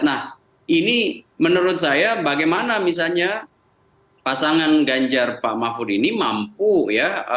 nah ini menurut saya bagaimana misalnya pasangan ganjar pak mahfud ini mampu ya